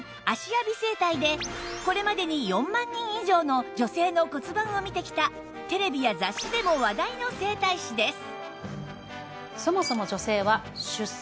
芦屋美整体でこれまでに４万人以上の女性の骨盤を見てきたテレビや雑誌でも話題の整体師です